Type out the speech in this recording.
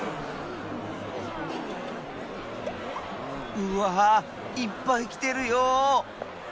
うわいっぱいきてるよ。